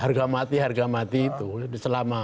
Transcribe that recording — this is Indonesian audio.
harga mati harga mati itu selama